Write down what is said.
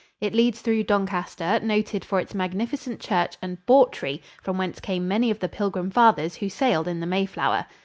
It leads through Doncaster, noted for its magnificent church, and Bawtry, from whence came many of the Pilgrim Fathers who sailed in the Mayflower.